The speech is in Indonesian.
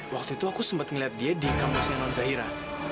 waktu itu aku sempat ngeliat dia di kamusnya nonzahira